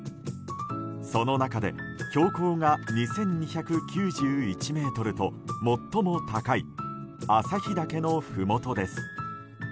その中で標高が２２９１ｍと最も高い旭岳のふもとです。